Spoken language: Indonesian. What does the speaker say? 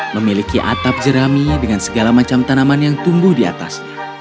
memiliki atap jerami dengan segala macam tanaman yang tumbuh di atasnya